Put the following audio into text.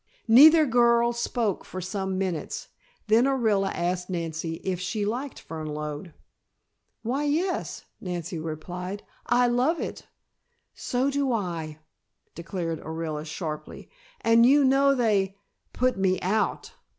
Neither girl spoke for some minutes. Then Orilla asked Nancy if she liked Fernlode. "Why, yes," Nancy replied, "I love it." "So do I," declared Orilla sharply, "and you know they put me out!"